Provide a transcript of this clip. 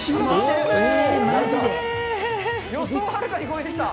予想をはるかに超えてきた。